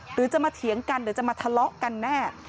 หรือจะมาเถียงกันหรือจะมาทะเลาะกันแน่